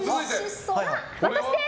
私です！